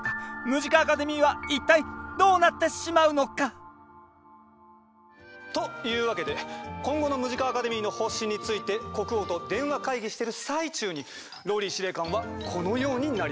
ムジカ・アカデミーは一体どうなってしまうのか？というわけで今後のムジカ・アカデミーの方針について国王と電話会議してる最中にＲＯＬＬＹ司令官はこのようになりました。